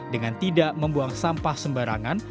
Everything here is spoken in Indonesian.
dengan tidak membuang sampah sembarangan